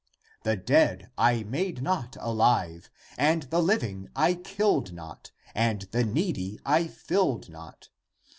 The dead I made not ^^ aHve, and the living I killed not, and the needy I filled not.